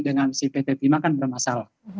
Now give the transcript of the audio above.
dengan si pt pima kan bermasalah